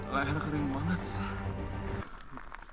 leher kering banget sah